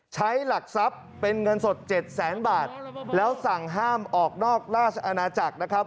ใช้หลักทรัพย์เป็นเงินสด๗แสนบาทแล้วสั่งห้ามออกนอกราชอาณาจักรนะครับ